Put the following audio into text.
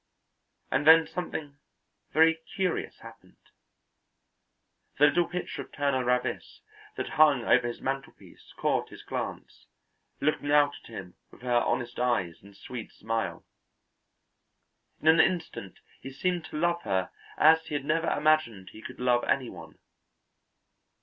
And then something very curious happened: The little picture of Turner Ravis that hung over his mantelpiece caught his glance, looking out at him with her honest eyes and sweet smile. In an instant he seemed to love her as he had never imagined he could love any one.